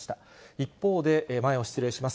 一方で、前を失礼します。